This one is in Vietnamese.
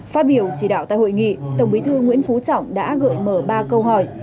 phát biểu chỉ đạo tại hội nghị tổng bí thư nguyễn phú trọng đã gợi mở ba câu hỏi